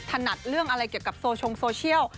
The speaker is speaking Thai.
นัดเรื่องอะไรเกี่ยวกับโซชงโซเชียล